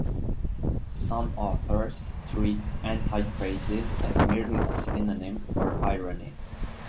Some authors treat antiphrasis as merely a synonym for irony.